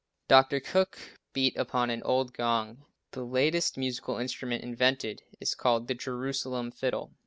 Dr. Cook beat upon an old gong. The latest musical instrument invented is called the "Jerusalem fiddle."